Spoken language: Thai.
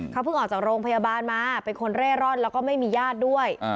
เขาเพิ่งออกจากโรงพยาบาลมาเป็นคนเร่ร่อนแล้วก็ไม่มีญาติด้วย